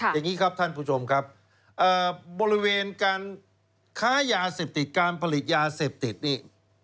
อย่างนี้ครับท่านผู้ชมครับบริเวณการค้ายาเสพติดการผลิตยาเสพติดนี่